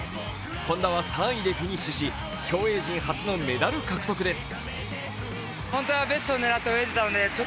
本多は３位でフィニッシュし競泳陣初のメダル獲得です。